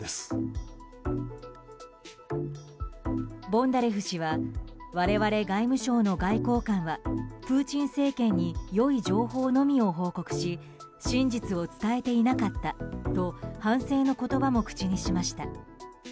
ボンダレフ氏は我々、外務省の外交官はプーチン政権に良い情報のみを報告し真実を伝えていなかったと反省の言葉も口にしました。